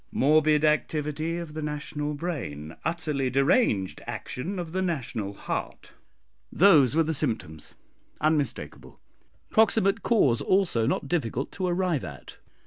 Morbid activity of the national brain, utterly deranged action of the national heart. Those were the symptoms unmistakable. Proximate cause also not difficult to arrive at.